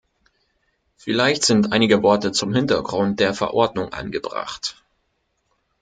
Vielleicht sind einige Worte zum Hintergrund der Verordnung angebracht.